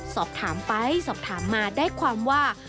สอบถามไปสอบถามมาได้ความว่า